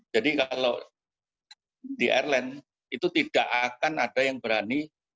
jadi kalau di airline itu tidak akan ada yang berani